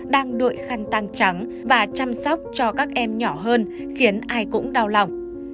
đang đội khăn tăng trắng và chăm sóc cho các em nhỏ hơn khiến ai cũng đau lòng